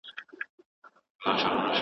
هيڅوک په مطلق ډول کامل نه دی.